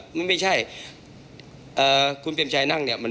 มีการที่จะพยายามติดศิลป์บ่นเจ้าพระงานนะครับ